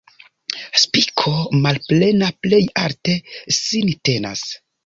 Spiko malplena plej alte sin tenas.